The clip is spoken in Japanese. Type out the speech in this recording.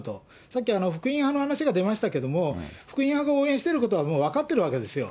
さっき福音派の話が出ましたけれども、福音派が応援していることはもう分かってるわけですよ。